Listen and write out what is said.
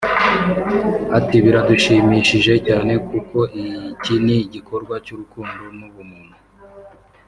Ati “ Biradushimishije cyane kuko iki ni igikorwa cy’urukundo n’ubumuntu